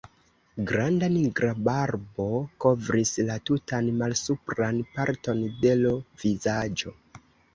Granda nigra barbo kovris la tutan malsupran parton de l' vizaĝo.